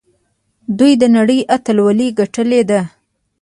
دوی د نړۍ اتلولي ګټلې ده.